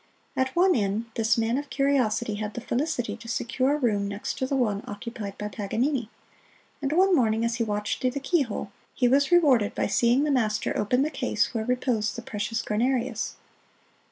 At one inn this man of curiosity had the felicity to secure a room next to the one occupied by Paganini; and one morning as he watched through the keyhole, he was rewarded by seeing the master open the case where reposed the precious "Guarnerius."